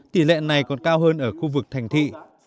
tỷ lệ này còn cao hơn ở khu vực thành thị